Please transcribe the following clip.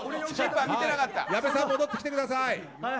矢部さん、戻ってきてください。